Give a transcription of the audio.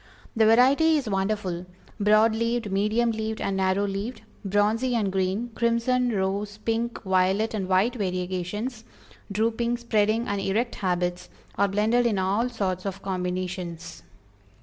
The variety is wonderful "broad leaved, medium leaved and narrow leaved; bronzy and green, crimson, rose, pink, violet and white variegations; drooping, spreading, and erect habits, are blended in all sorts of combinations."